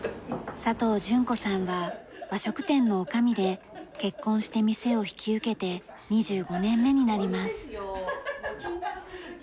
佐藤淳子さんは和食店の女将で結婚して店を引き受けて２５年目になります。